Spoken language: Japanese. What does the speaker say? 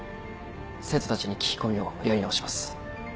生徒たちに聞き込みをやり直します。